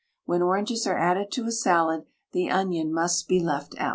When oranges are added to a salad the onion must be left out.